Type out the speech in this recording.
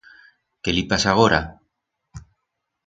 Qué li pasa agora?